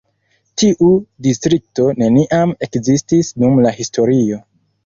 Tiu distrikto neniam ekzistis dum la historio.